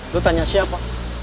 lo tanya siapa